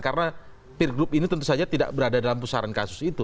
karena peer group ini tentu saja tidak berada dalam pusaran kasus itu